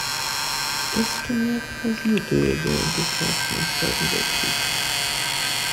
Das Turnier pausierte während des Ersten und Zweiten Weltkriegs.